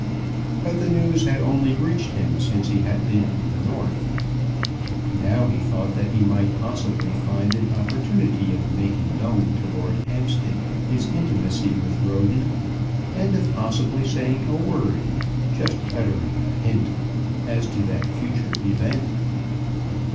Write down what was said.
But the news had only reached him since he had been in the North. Now he thought that he might possibly find an opportunity of making known to Lord Hampstead his intimacy with Roden, and of possibly saying a word just uttering a hint as to that future event.